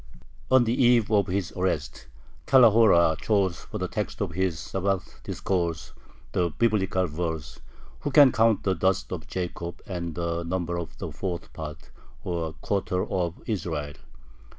On the eve of his arrest, Calahora chose for the text of his Sabbath discourse the Biblical verse, "Who can count the dust of Jacob and the number of the fourth part (or quarter) of Israel?